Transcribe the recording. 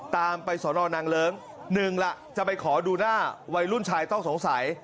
ตามไปสอนอนางเลิ้งหนึ่งล่ะจะไปขอดูหน้าวัยรุ่นชายต้องสงสัย